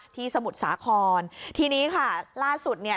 สมุทรสาครทีนี้ค่ะล่าสุดเนี่ย